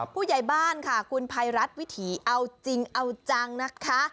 ผู้ใหญ่บ้านค่ะคุณภัยรัฐวิถีเอาจริงเอาจังนะคะ